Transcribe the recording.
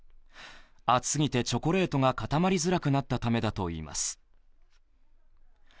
暑すぎてチョコレートが固まりづらくなったためだといいます。